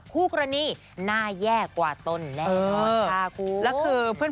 คู่กรณีน่าแย่กว่าตนแน่นอนค่ะ